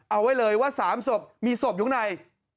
เอาไว้เลยว่า๓ศพมีศพอยู่ข้างใน